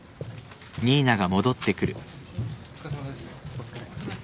お疲れさまです。